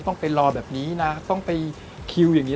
ต้องไปรอแบบนี้นะต้องไปคิวอย่างนี้